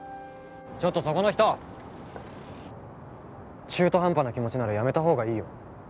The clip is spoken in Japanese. ちょっとそこの人中途半端な気持ちならやめた方がいいよ